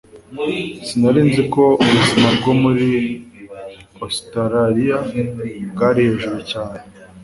sinari nzi ko ubuzima bwo muri ositaraliya bwari hejuru cyane